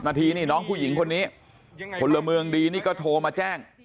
นี้น้องผู้หญิงคนนี้คนละเมืองดีก็โทรมาแจ้ง